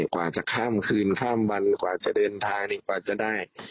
กว่าจะข้ามคืนข้ามวันกว่าจะเดินทางกว่าจะได้